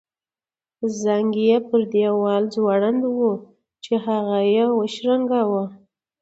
زنګ یې پر دیوال ځوړند وو چې هغه یې وشرنګاوه.